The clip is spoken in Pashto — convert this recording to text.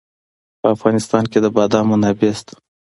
په افغانستان کې د بادام منابع شته.